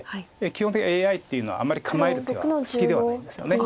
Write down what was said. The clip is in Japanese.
基本的にＡＩっていうのはあんまり構える手は好きではないんですよね。